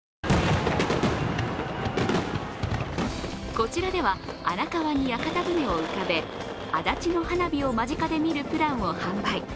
こちらでは荒川に屋形船を浮かべ、足立の花火を間近で見るプランを販売。